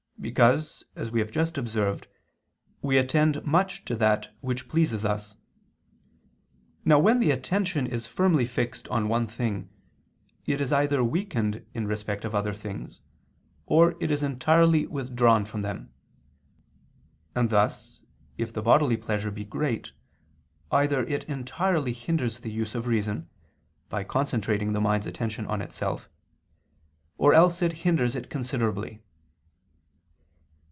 Because, as we have just observed, we attend much to that which pleases us. Now when the attention is firmly fixed on one thing, it is either weakened in respect of other things, or it is entirely withdrawn from them; and thus if the bodily pleasure be great, either it entirely hinders the use of reason, by concentrating the mind's attention on itself; or else it hinders it considerably.